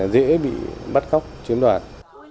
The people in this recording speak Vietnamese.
dễ bị bắt khóc chiếm đoạt